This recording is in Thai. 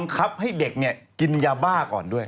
ขับให้เด็กเนี่ยกินยาบ้าก่อนด้วย